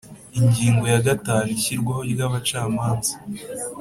Ingingo ya gatanu Ishyirwaho ry abacamanza